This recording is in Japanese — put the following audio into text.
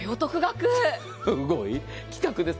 すごい企画です。